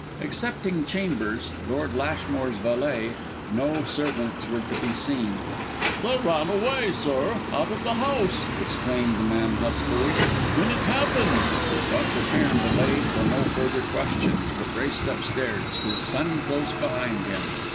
Excepting Chambers, Lord Lashmore's valet, no servants were to be seen. "They ran away, sir, out of the house," explained the man, huskily, "when it happened." Dr. Cairn delayed for no further questions, but raced upstairs, his son close behind him.